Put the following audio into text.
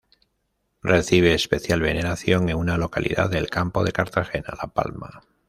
Recibe especial veneración en una localidad del Campo de Cartagena, La Palma.